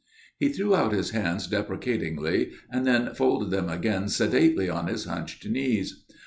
He threw out his hands deprecatingly, and then folded them again sedately on his hunched knees.